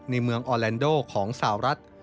ในเมืองออแลนโดของสาวรัฐ